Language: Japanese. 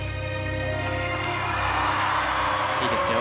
いいですよ。